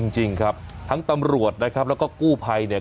จริงครับทั้งตำรวจนะครับแล้วก็กู้ภัยเนี่ย